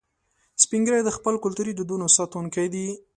سپین ږیری د خپلو کلتوري دودونو ساتونکي دي